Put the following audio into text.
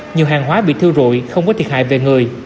nhiều hàng hóa bị thiêu rụi không có thiệt hại về người